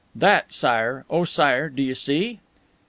That, Sire oh, Sire, do you see!"